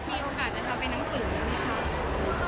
มีโอกาสจะทำเป็นหนังสือหรือเปล่า